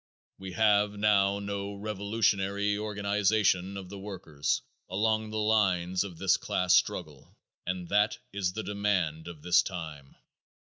We have now no revolutionary organization of the workers along the lines of this class struggle, and that is the demand of this time.